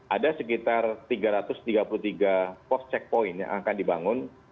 ada sekitar tiga ratus tiga puluh tiga post checkpoint yang akan dibangun